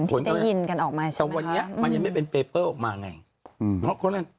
ผลกายวิจัยตอนนี้มันออกมาว่า